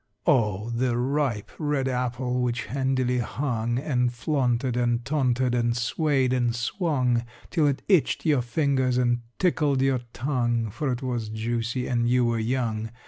Oh, the ripe, red apple which handily hung And flaunted and taunted and swayed and swung, Till it itched your fingers and tickled your tongue, For it was juicy and you were young!